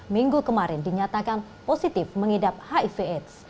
minggu kemarin dinyatakan positif mengidap hiv aids